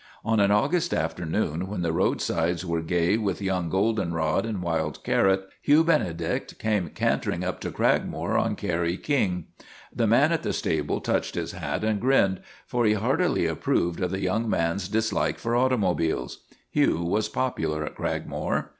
On an August afternoon, when the roadsides were gay with young goldenrod and wild carrot, Hugh Benedict came cantering up to Cragmore on Kerry King. The man at the stable touched his hat and grinned, for he heartily approved of the young man's dislike for automobiles. Hugh was popular at Cragmore.